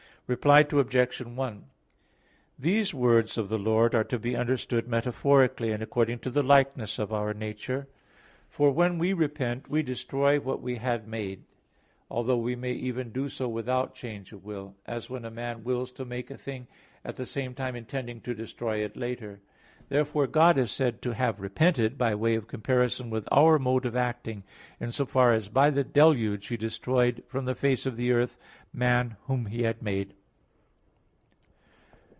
Reply Obj. 1: These words of the Lord are to be understood metaphorically, and according to the likeness of our nature. For when we repent, we destroy what we have made; although we may even do so without change of will; as, when a man wills to make a thing, at the same time intending to destroy it later. Therefore God is said to have repented, by way of comparison with our mode of acting, in so far as by the deluge He destroyed from the face of the earth man whom He had made.